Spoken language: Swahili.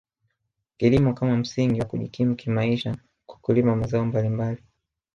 Kilimo kama msingi wa kujikimu kimaisha kwa kulima mazao mbalimbali